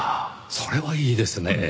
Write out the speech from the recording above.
それはいいですねぇ。